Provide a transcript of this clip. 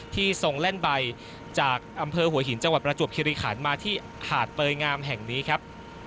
ทรงแล่นใบจากอำเภอหัวหินจังหวัดประจวบคิริขันมาที่หาดเตยงามแห่งนี้ครับ